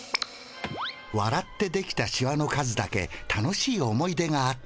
わらってできたシワの数だけ楽しい思い出があった。